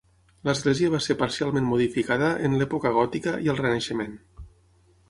L'església va ser parcialment modificada en l'època gòtica i al Renaixement.